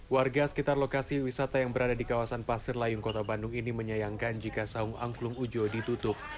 warga sekitar lokasi wisata yang berada di kawasan pasir layung kota bandung ini menyayangkan jika saung angklung ujo ditutup